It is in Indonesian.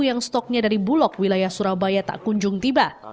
yang stoknya dari bulog wilayah surabaya tak kunjung tiba